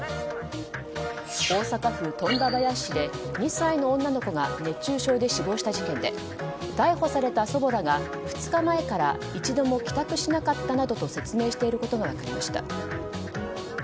大阪府富田林市で２歳の女の子が熱中症で死亡した事件で逮捕された祖母らが２日前から一度も帰宅しなかったなどと説明していることが分かりました。